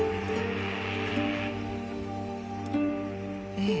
ええ。